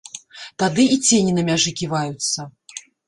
Тады і цені на мяжы ківаюцца.